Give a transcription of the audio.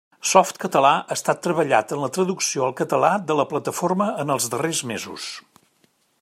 Softcatalà ha estat treballat en la traducció al català de la plataforma en els darrers mesos.